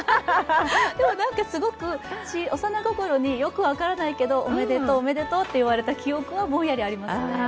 でもすごく幼心によく分からないけどおめでとう、おめでとうと言われた記憶はぼんやりありますね。